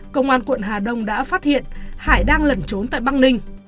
công an quận hà đông đã phát hiện hải đang lẩn trốn tại băng ninh